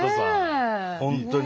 本当に。